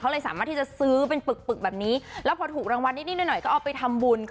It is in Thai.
เลยสามารถที่จะซื้อเป็นปึกปึกแบบนี้แล้วพอถูกรางวัลนิดหน่อยก็เอาไปทำบุญ